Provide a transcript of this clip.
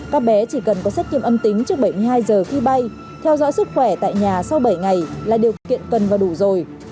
các bé chỉ cần có xét nghiệm âm tính trước bảy mươi hai giờ khi bay theo dõi sức khỏe tại nhà sau bảy ngày là điều kiện cần và đủ rồi